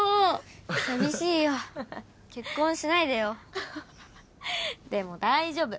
寂しいよ結婚しないでよでも大丈夫